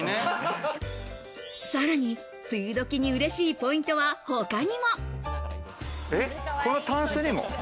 さらに梅雨どきにうれしいポイントは他にも。